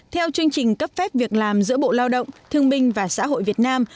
theo chương trình cấp phép việc làm giữa bộ lao động thương binh và xã hội việt nam